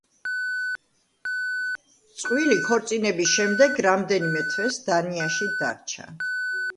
წყვილი ქორწინების შემდეგ რამდენიმე თვეს დანიაში დარჩა.